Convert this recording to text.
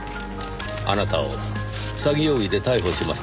あなたを詐欺容疑で逮捕します。